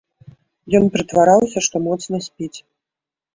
Ён прытвараўся, што моцна спіць.